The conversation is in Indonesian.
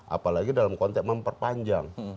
apalagi dalam konteks memperpanjang